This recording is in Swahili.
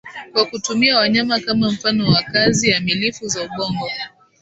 kwa kutumia wanyama kama mfano wa kazi amilifu za ubongo